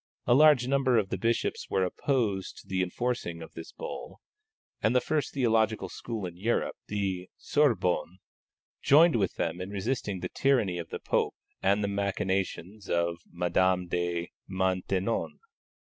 A large number of the bishops were opposed to the enforcing of this bull, and the first theological school in Europe, the Sorbonne, joined with them in resisting the tyranny of the Pope and the machinations of Madame de Maintenon.